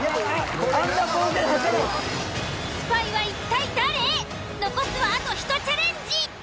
一体残すはあと１チャレンジ。